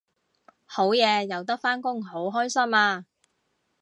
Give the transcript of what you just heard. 好嘢有得返工好開心啊！